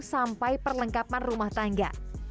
sampai perlengkapan rumah tangga